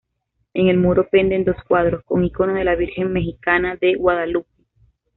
En los muros penden dos cuadros con iconos de la Virgen mejicana de Guadalupe.